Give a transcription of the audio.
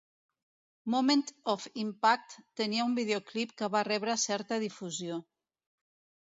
"Moment of Impact" tenia un videoclip que va rebre certa difusió.